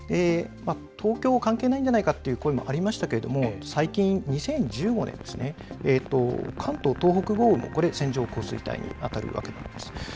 東京は関係ないんじゃないかという声もありましたが最近２０１５年、関東東北豪雨も線状降水帯にあたるわけなんです。